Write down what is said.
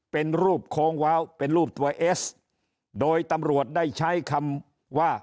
เป็นรูปโค้งว้าวเป็นรูปตัวเอสโดยตำรวจได้ใช้คำว่า